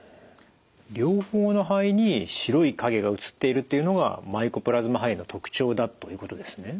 両方の肺に白い影が写っているっていうのがマイコプラズマ肺炎の特徴だということですね。